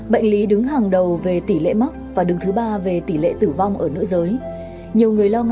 bệnh lý đứng hàng đầu về tỷ lệ mắc và đứng thứ ba về tỷ lệ tươi